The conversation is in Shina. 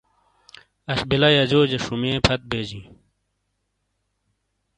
اش بلہ یازیو جہ شمیۓ فت بیجےجیں۔